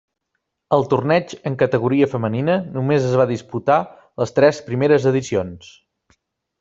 El torneig en categoria femenina només es va disputar les tres primeres edicions.